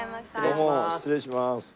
どうも失礼します。